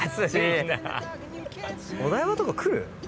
お台場とか来る？